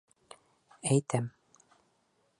Әйтәм.